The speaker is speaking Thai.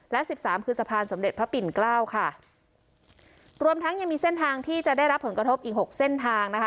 และสิบสามคือสะพานสมเด็จพระปิ่นเกล้าค่ะรวมทั้งยังมีเส้นทางที่จะได้รับผลกระทบอีกหกเส้นทางนะคะ